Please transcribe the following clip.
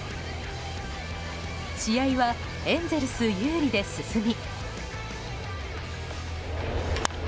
試合はエンゼルス有利で進み。